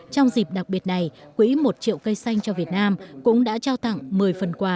trong dịp đặc biệt này quỹ một triệu cây xanh cho việt nam cũng đã trao tặng một mươi phần quà